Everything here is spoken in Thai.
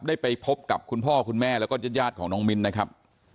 ไปพบกับคุณพ่อคุณแม่แล้วก็ญาติของน้องมิ้นนะครับ